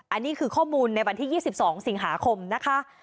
อันนี้คือข้อมูลในวันที่๒๒สิงหาคมนะคะ